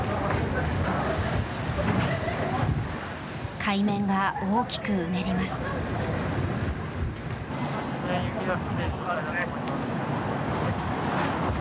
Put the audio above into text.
海面が大きくうねります。